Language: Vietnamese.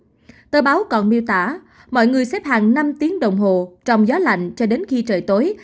ngoài đó mọi người xếp hàng năm tiếng đồng hồ trong gió lạnh cho đến khi trời tối